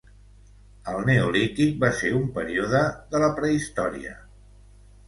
El neolític va ser un període de la prehistòria.